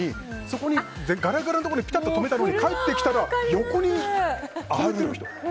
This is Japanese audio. そこに、ガラガラのところにピタッと止めたら帰ってきたら横に止めている人。